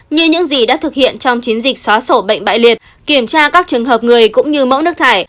như những gì đã thực hiện trong chiến dịch xóa sổ bệnh bại liệt kiểm tra các trường hợp người cũng như mẫu nước thải